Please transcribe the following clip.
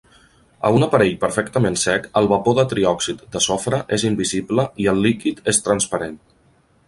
A un aparell perfectament sec, el vapor de triòxid de sofre és invisible i el liquid és transparent.